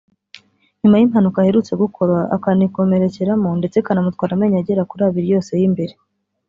nyuma y’impanuka aherutse gukora akayikomerekeramo ndetse ikanamutwara amenyo agera kuri abiri yose y’imbere